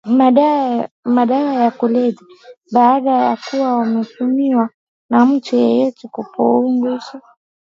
madawa ya kulevya baada ya kuwa yametumiwa na mtu yeyote hupunguza